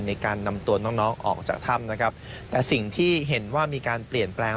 ในการนำตัวน้องน้องออกจากถ้ำนะครับแต่สิ่งที่เห็นว่ามีการเปลี่ยนแปลง